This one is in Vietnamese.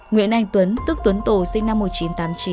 nguyễn anh tuấn tức tuấn tổ sinh năm một nghìn chín trăm tám mươi chín